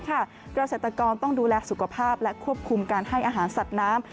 เกษตรกรต้องดูแลสุขภาพและควบคุมการให้อาหารสัตว์น้ำ